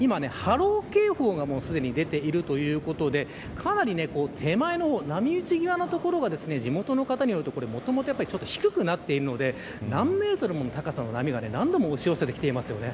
今、波浪警報がすでに出ているということでかなり手前の方波打ち際の所が地元の方によるともともと低くなっているので何メートルもの高さの何が何度も押し寄せてきています。